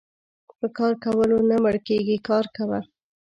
په کار کولو نه مړکيږي کار کوه .